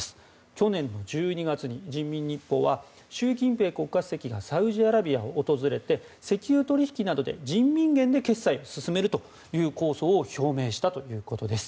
去年の１２月に人民日報は習近平国家主席がサウジアラビアを訪れて石油取引などで人民元で決済を進めるという構想を表明したということです。